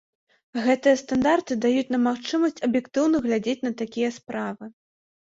Гэтыя стандарты даюць нам магчымасць аб'ектыўна глядзець на такія справы.